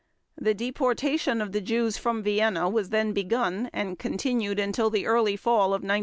The deportation of the Jews from Vienna was then begun and continued until the early fall of 1942.